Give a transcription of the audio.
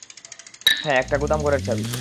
হ্যাঁ, একটা গুদামঘরের চাকরি।